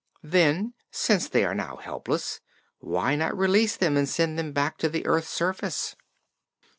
"Then, since they are now helpless, why not release them and send them back to the earth's surface?"